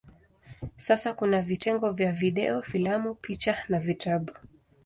Sasa kuna vitengo vya video, filamu, picha na vitabu.